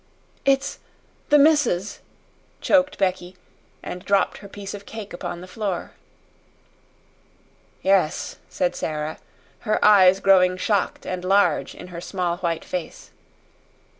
"It's the missus!" choked Becky, and dropped her piece of cake upon the floor. "Yes," said Sara, her eyes growing shocked and large in her small white face.